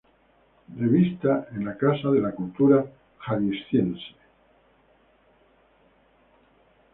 Revista de la Casa de la Cultura Jalisciense.